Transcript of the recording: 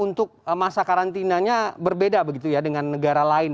untuk masa karantinanya berbeda begitu ya dengan negara lain